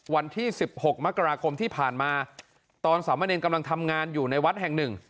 วันที่๑๖มกราคมที่ผ่านมาตอนสามเณรกำลังทำงานอยู่ในวัดแห่งหนึ่ง